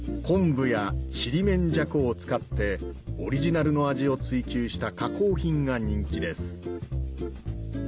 昆布やちりめんじゃこを使ってオリジナルの味を追求した加工品が人気です